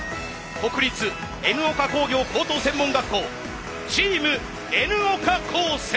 国立Ｎ岡工業高等専門学校チームＮ岡高専。